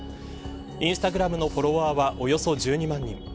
インスタグラムのフォロワーはおよそ１２万人。